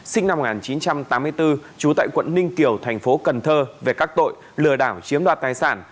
sinh năm một nghìn chín trăm tám mươi bốn trú tại quận ninh kiều thành phố cần thơ về các tội lừa đảo chiếm đoạt tài sản